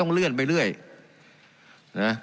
การปรับปรุงทางพื้นฐานสนามบิน